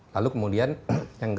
lalu kemudian yang ketiga